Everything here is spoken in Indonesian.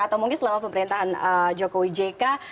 atau mungkin selama pemerintahan joko widjeka